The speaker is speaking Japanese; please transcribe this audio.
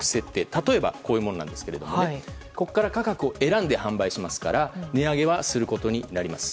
例えばこういうものですがここから選んで販売しますから値上げはすることになります。